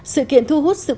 sự kiện thu hút sự quan tâm